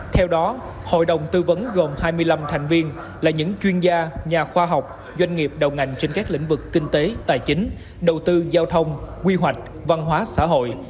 theo đó hội đồng tư vấn gồm hai mươi năm thành viên là những chuyên gia nhà khoa học doanh nghiệp đầu ngành trên các lĩnh vực kinh tế tài chính đầu tư giao thông quy hoạch văn hóa xã hội